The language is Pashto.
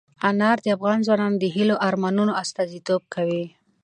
انار د افغان ځوانانو د هیلو او ارمانونو استازیتوب کوي.